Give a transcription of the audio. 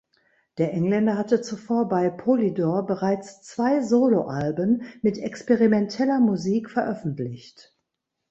Der Engländer hatte zuvor bei Polydor bereits zwei Soloalben mit experimenteller Musik veröffentlicht.